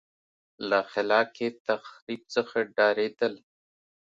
له خلاق تخریب څخه ډارېدل.